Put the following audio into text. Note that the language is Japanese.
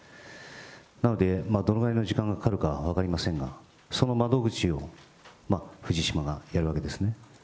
なので、どのぐらいの時間がかかるか分かりませんが、その窓口を藤島がやるわけですね。